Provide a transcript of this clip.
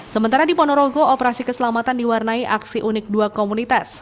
sementara di ponorogo operasi keselamatan diwarnai aksi unik dua komunitas